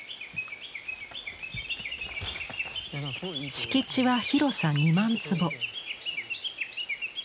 敷地は広さ２万坪。